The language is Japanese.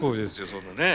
そんなねえ。